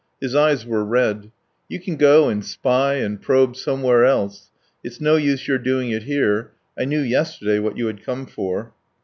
His eyes were red. "You can go and spy and probe somewhere else, it's no use your doing it here. I knew yesterday what you had come for."